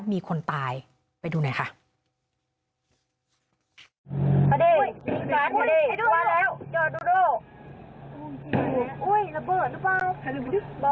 บ๊ายบายสะสือ